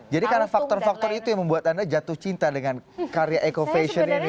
jadi karena faktor faktor itu yang membuat anda jatuh cinta dengan karya eco fashion ini